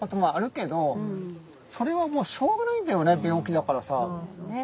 それはもうしょうがないんだよね病気だからさ。